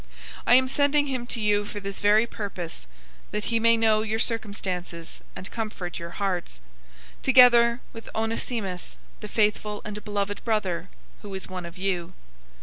004:008 I am sending him to you for this very purpose, that he may know your circumstances and comfort your hearts, 004:009 together with Onesimus, the faithful and beloved brother, who is one of you.